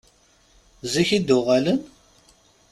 Zik i d-uɣalen?